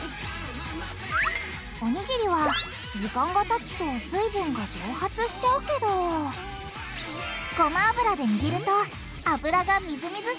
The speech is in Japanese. おにぎりは時間がたつと水分が蒸発しちゃうけどごま油でにぎると油がみずみずしさを保ってくれるんです！